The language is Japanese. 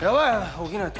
起きないと！